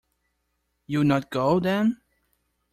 You’ll not go, then?